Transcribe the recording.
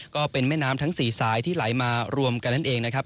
ก็เป็นแม่น้ำทั้ง๔สายที่ไหลมารวมกันนั่นเองนะครับ